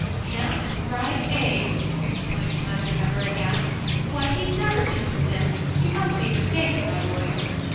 "Ham and fried eggs!" exclaimed Mother Pepper, aghast. "Why, he never touches them. You must be mistaken, my boy."